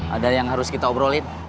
ada yang harus kita obrolin